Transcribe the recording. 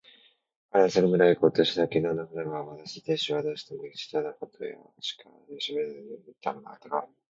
彼はすぐ村へいこうとした。きのうのふるまいを思い出して亭主とはどうしても必要なことしかしゃべらないでいたのだったが、